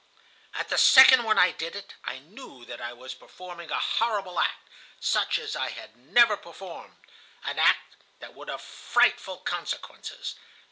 "At the second when I did it, I knew that I was performing a horrible act, such as I had never performed,—an act that would have frightful consequences.